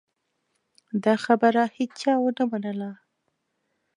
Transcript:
دا خبره هېچا ونه منله.